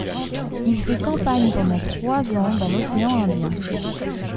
Il fait campagne pendant trois ans dans l'océan Indien.